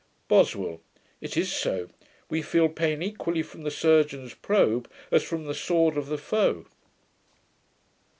BOSWELL. 'It is so: we feel pain equally from the surgeon's probe, as from the sword of the foe.'